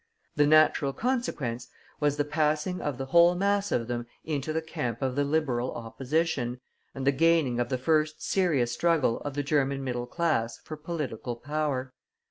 The natural consequence was the passing of the whole mass of them into the camp of the Liberal Opposition, and the gaining of the first serious struggle of the German middle class for political power.